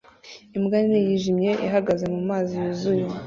Imbwa nini yijimye ihagaze mumazi yuzuye